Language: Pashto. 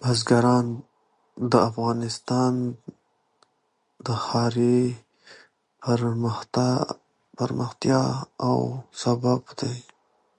بزګان د افغانستان د ښاري پراختیا یو سبب دی.